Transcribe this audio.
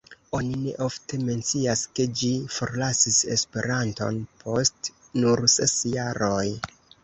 Oni ne ofte mencias, ke ĝi forlasis Esperanton post nur ses jaroj.